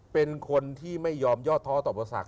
เป็นคนที่ไม่ยอมยอดท้อต่อประสัก